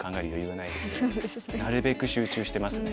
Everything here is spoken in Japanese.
なるべく集中してますね。